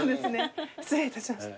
失礼いたしました。